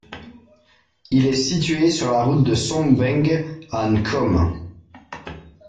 Il est situé sur la route de Songmbenguè à Nkom.